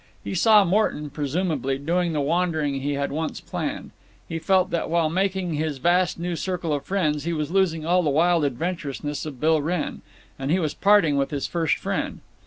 He saw Morton (presumably) doing the wandering he had once planned. He felt that, while making his vast new circle of friends, he was losing all the wild adventurousness of Bill Wrenn. And he was parting with his first friend.